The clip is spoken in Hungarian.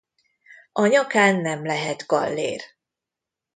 A nyakán nem lehet gallér.